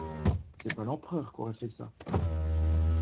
C'est pas l'Empereur qu'aurait fait ça!